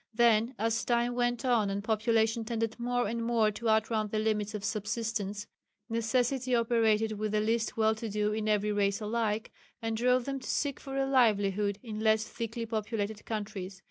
Then, as time went on and population tended more and more to outrun the limits of subsistence, necessity operated with the least well to do in every race alike, and drove them to seek for a livelihood in less thickly populated countries.